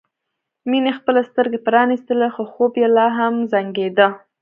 مينې خپلې سترګې پرانيستلې خو خوب یې لا هم زنګېده